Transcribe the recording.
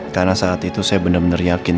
karena saat itu saya bener bener yakin